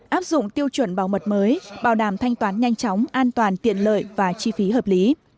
áp dụng tiêu chuẩn bảo mật mới bảo đảm thanh toán nhanh chóng an toàn tiện lợi và chi phí hợp lý